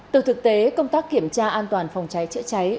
từ thực tế công tác kiểm tra an toàn phòng cháy chữa cháy